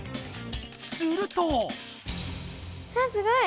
すると？わすごい！